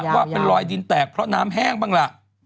ก็ปล่อยดินแตกเพราะน้ำแห้งบ้างล่ะ